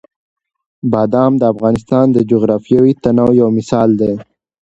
بادام د افغانستان د جغرافیوي تنوع یو مثال دی.